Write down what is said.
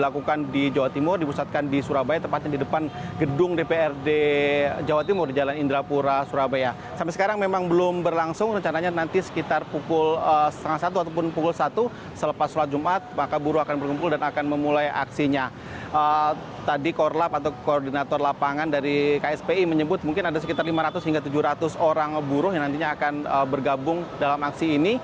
koordinator lapangan dari kspi menyebut mungkin ada sekitar lima ratus hingga tujuh ratus orang buruh yang nantinya akan bergabung dalam aksi ini